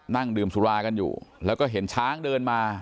นั่งดื่มสุรากันอยู่แล้วก็เห็นช้างเดินมา